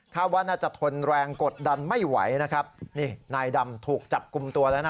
ว่าน่าจะทนแรงกดดันไม่ไหวนะครับนี่นายดำถูกจับกลุ่มตัวแล้วนะ